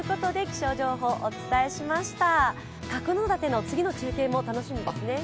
角館の次の中継も楽しみですね。